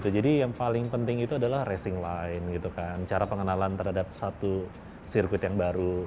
jadi yang paling penting itu adalah racing line cara pengenalan terhadap satu sirkuit yang baru